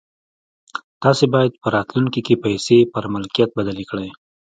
تاسې بايد په راتلونکي کې پيسې پر ملکيت بدلې کړئ.